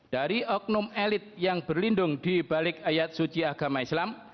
dari oknum elit yang berlindung dibalik ayat suci agama islam